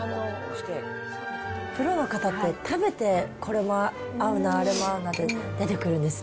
プロの方って、食べて、これも合うな、あれも合うなって出てくるんですね。